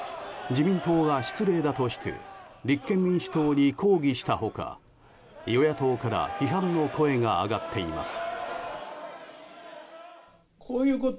自民党が失礼だとして立憲民主党に抗議した他与野党から批判の声が上がっています。